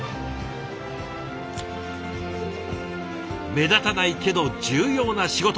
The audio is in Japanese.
目立たないけど重要な仕事。